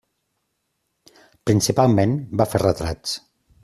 Principalment va fer retrats.